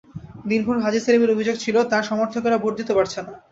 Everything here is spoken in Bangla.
দিনভর হাজী সেলিমের অভিযোগ ছিল, তাঁর সমর্থকেরা ভোট দিতে পারছে না।